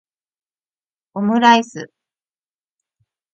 omuraisu